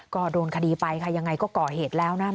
ก็โดนคดีไปค่ะยังไงก็ก่อเหตุแล้วนะ